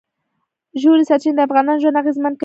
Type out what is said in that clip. ژورې سرچینې د افغانانو ژوند اغېزمن کوي.